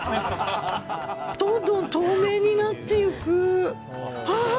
どんどん透明になっていく。